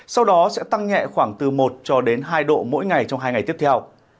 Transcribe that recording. sau đó sẽ tăng nhẹ khoảng từ một cho đến hai độ mỗi ngày trong hai ngày tiếp theo